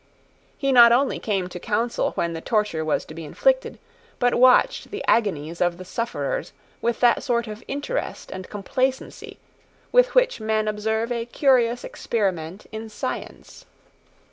He not only came to Council when the torture was to be inflicted, but watched the agonies of the sufferers with that sort of interest and complacency with which men observe a curious experiment in science.